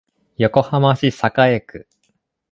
横浜市栄区